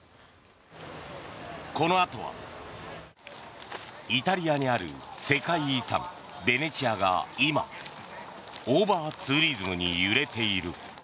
このあとはイタリアにある世界遺産ベネチアが今オーバーツーリズムに揺れている。